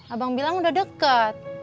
abang bilang udah deket